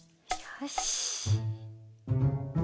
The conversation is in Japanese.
よし！